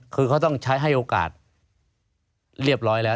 คือเขาต้องใช้ให้โอกาสเรียบร้อยแล้ว